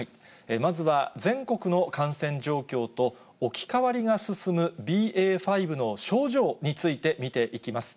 まずは、全国の感染状況と、置き換わりが進むＢＡ．５の症状について、見ていきます。